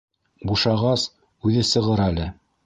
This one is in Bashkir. Бушағас, үҙе сығыр әле.